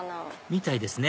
みたいですね